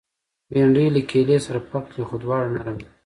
بېنډۍ له کیلې سره فرق لري، خو دواړه نرم دي